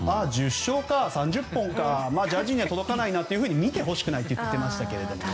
１０勝、３０本かジャッジには届かないなと見てほしくないと言っていましたね。